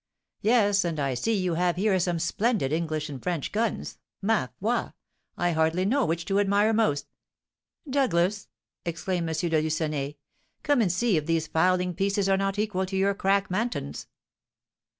"Yes, and I see you have here some splendid English and French guns. Ma foi! I hardly know which to admire most. Douglas," exclaimed M. de Lucenay, "come and see if these fowling pieces are not equal to your crack Mantons."